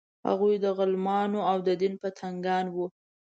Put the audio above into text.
هغوی د غلمانو او د دین پتنګان وو.